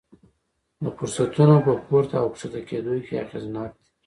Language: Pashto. د فرصتونو په پورته او ښکته کېدو کې اغېزناک دي.